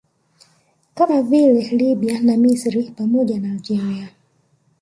Kama vile Lbya na Misri pamoja na Algeria